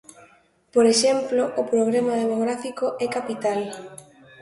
Por exemplo, o problema demográfico é capital.